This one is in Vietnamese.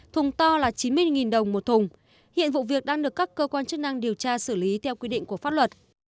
thùng to là chín mươi đồng một thùng hiện vụ việc đang được các cơ quan chức năng điều tra xử lý theo quy định của pháp luật